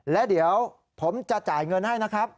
และเดี๋ยวผมจะจ่ายเงินให้นะครับ